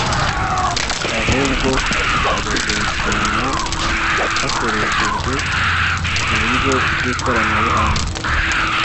Ahubwo agakurikiranwa hakoreshejwe uburyo bwikoranabuhanga